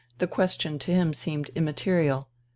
The question to him seemed immaterial.